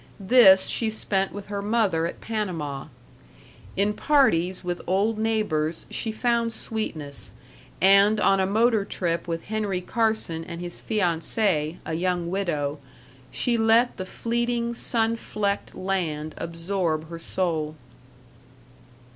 This she spent with her mother at Panama. In parties with old neighbors she found sweetness, and on a motor trip with Henry Carson and his fiancée, a young widow, she let the fleeting sun flecked land absorb her soul.